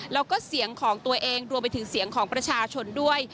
แล้วก็เสียงของตัวเองรวมไปถึงเสียงของประชาชนด้วย